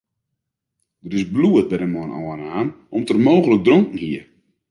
Der is bloed by de man ôfnaam om't er mooglik dronken hie.